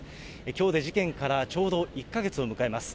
きょうで事件からちょうど１か月を迎えます。